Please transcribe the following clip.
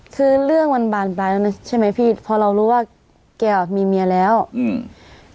คือเรื่องมันบานปลายแล้วนะใช่ไหมพี่พอเรารู้ว่าแกอ่ะมีเมียแล้วอืม